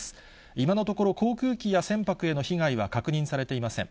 今のところ、航空機や船舶への被害は確認されていません。